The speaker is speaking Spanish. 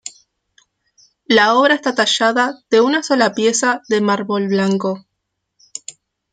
La obra está tallada de una sola pieza de mármol blanco.